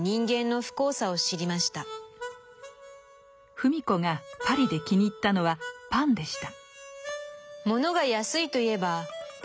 芙美子がパリで気に入ったのはパンでした。